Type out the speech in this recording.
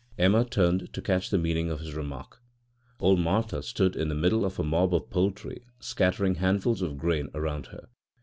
Emma turned to catch the meaning of his remark. Old Martha stood in the middle of a mob of poultry scattering handfuls of grain around her.